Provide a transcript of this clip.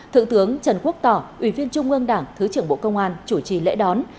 thượng tướng trần quốc tỏ ủy viên trung ương đảng thứ trưởng bộ công an chủ trì lễ đón